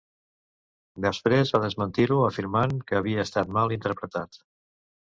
Després va desmentir-ho afirmant que havia estat mal interpretat.